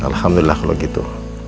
alhamdulillah kalau gitu